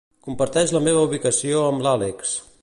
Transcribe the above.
Comparteix la meva ubicació amb l'Àlex.